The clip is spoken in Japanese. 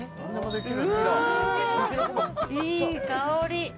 いい香り！